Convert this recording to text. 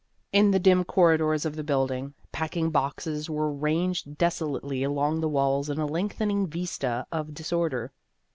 In the dim corridors of the building, packing boxes were ranged desolately along the walls in a lengthening vista of disorder.